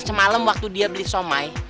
semalam waktu dia beli somai